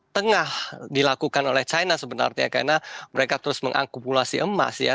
tengah dilakukan oleh china sebenarnya karena mereka terus mengakupulasi emas ya